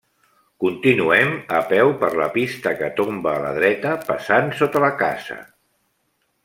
Continuem a peu per la pista que tomba a la dreta, passant sota la casa.